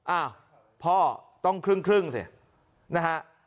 อ้าวพ่อต้องครึ่งสินะฮะ